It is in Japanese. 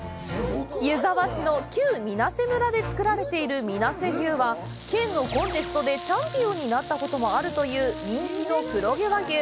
湯沢市の旧皆瀬村で作られている「みなせ牛」は、県のコンテストでチャンピオンになったこともあるという人気の黒毛和牛。